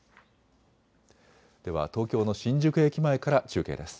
では東京の新宿駅前から中継です。